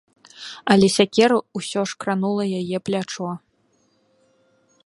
Але сякера ўсё ж кранула яе плячо.